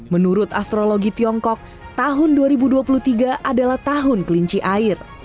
menurut astrologi tiongkok tahun dua ribu dua puluh tiga adalah tahun kelinci air